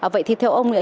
vậy thì theo ông nữa